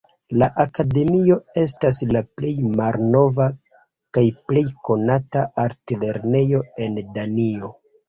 La akademio estas la plej malnova kaj plej konata altlernejo en Danio.